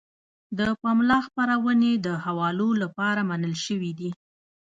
د پملا خپرونې د حوالو لپاره منل شوې دي.